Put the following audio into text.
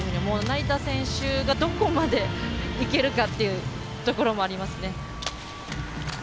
成田選手が、どこまでいけるかっていうところもありますね。